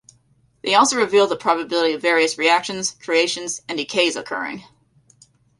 They also reveal the probability of various reactions, creations, and decays occurring.